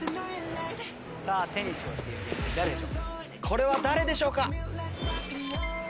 これは誰でしょうか？